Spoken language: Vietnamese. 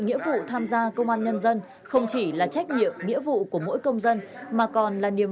nghĩa vụ tham gia công an nhân dân không chỉ là trách nhiệm nghĩa vụ của mỗi công dân mà còn là niềm